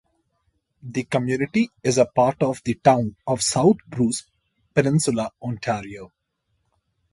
The community is part of the town of South Bruce Peninsula, Ontario.